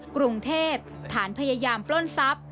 กรุงเทพฐานพยายามปล้นทรัพย์